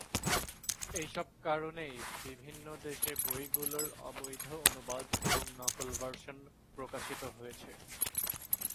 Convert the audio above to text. এইসব কারণেই বিভিন্ন দেশে বইগুলোর অবৈধ অনুবাদ এবং নকল ভার্সন প্রকাশিত হয়েছে।